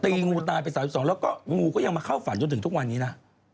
งูตายไป๓๒แล้วก็งูก็ยังมาเข้าฝันจนถึงทุกวันนี้นะ